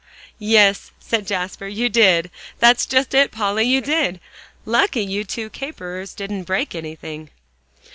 "Yes," said Jasper, "you did. That's just it, Polly, you did. Lucky you two caperers didn't break anything."